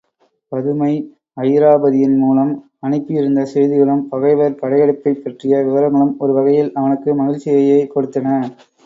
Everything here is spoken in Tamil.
பதுமை அயிராபதியின் மூலம் அனுப்பியிருந்த செய்திகளும், பகைவர் படையெடுப்பைப் பற்றிய விவரங்களும் ஒரு வகையில் அவனுக்கு மகிழ்ச்சியையே கொடுத்தன.